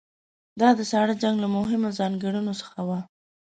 دا د ساړه جنګ له مهمو ځانګړنو څخه وه.